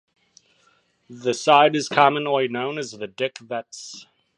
The side is commonly known as the Dick Vets.